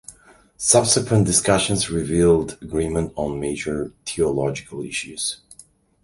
Subsequent discussions revealed agreement on major theological issues.